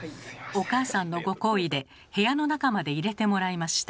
お母さんのご厚意で部屋の中まで入れてもらいました。